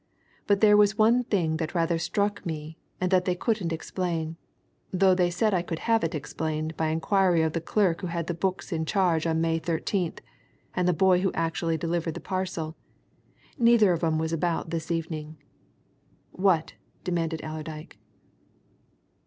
But there was one thing that rather struck me and that they couldn't explain, though they said I could have it explained by inquiry of the clerk who had the books in charge on May 13th and the boy who actually delivered the parcel neither of 'em was about this evening." "What?" demanded Allerdyke.